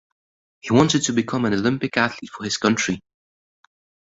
He wanted to become an Olympic athlete for his country.